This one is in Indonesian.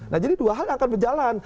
nah jadi dua hal yang akan berjalan